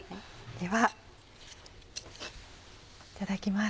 ではいただきます。